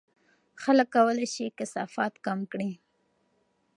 خلک کولای شي کثافات کم کړي.